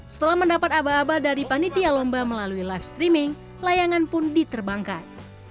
setelah mendapat aba aba dari panitia lomba melalui live streaming layangan pun diterbangkan